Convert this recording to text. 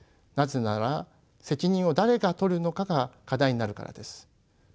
なぜなら責任を誰が取るのかが課題になるからです。